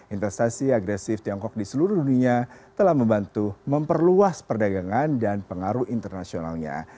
interstasi agresif tiongkok di seluruh dunia telah membantu memperluas perdagangan dan pengaruh internasionalnya